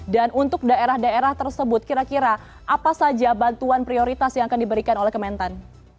dan untuk daerah daerah tersebut kira kira apa saja bantuan prioritas yang akan diberikan oleh kementan